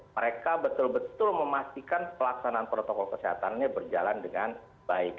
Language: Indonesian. mereka betul betul memastikan pelaksanaan protokol kesehatannya berjalan dengan baik